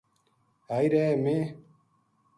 ہائی رے ! میں